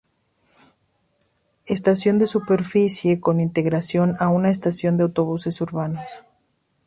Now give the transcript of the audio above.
Estación de superficie con integración a una estación de autobuses urbanos.